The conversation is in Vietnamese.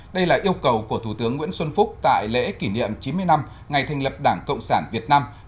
đây là yêu cầu của thủ tướng nguyễn xuân phúc tại lễ kỷ niệm chín mươi năm ngày thành lập đảng cộng sản việt nam